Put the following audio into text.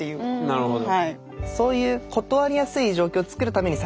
なるほど。